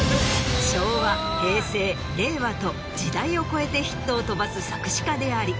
昭和平成令和と時代を超えてヒットを飛ばす作詞家であり。